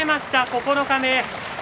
九日目。